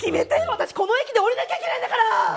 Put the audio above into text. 私この駅で降りなきゃいけないんだから。